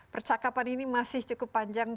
percakapan ini masih cukup panjang